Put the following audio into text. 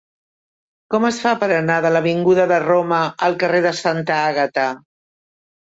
Com es fa per anar de l'avinguda de Roma al carrer de Santa Àgata?